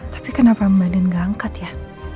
tapi kenapa mbak nenang gak angkat ya